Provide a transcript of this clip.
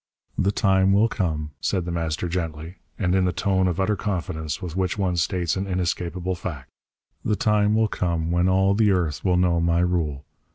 "The time will come," said The Master gently, and in the tone of utter confidence with which one states an inescapable fact, "the time will come when all the earth will know my rule.